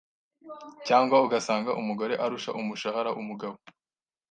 cyangwa ugasanga umugore arusha umushahara umugabo